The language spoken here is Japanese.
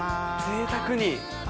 ぜいたくに。